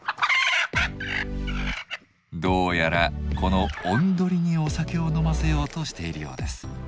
どうやらこのおんどりにお酒を飲ませようとしているようです。